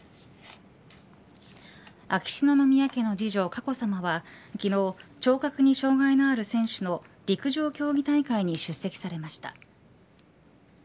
秋篠宮家の次女、佳子さまは昨日、聴覚に障害のある選手の陸上競技大会に出席されました。